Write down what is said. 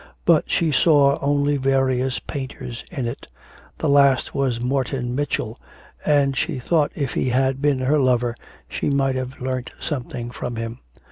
But she saw only various painters in it. The last was Morton Mitchell, and she thought if he had been her lover she might have learnt something from him.